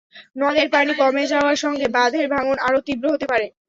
নদের পানি কমে যাওয়ার সঙ্গে বাঁধের ভাঙন আরও তীব্র হতে পারে।